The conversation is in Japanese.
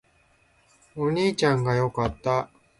お兄ちゃんが良かった